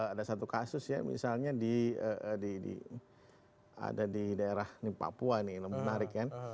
ada satu kasus ya misalnya ada di daerah papua ini menarik kan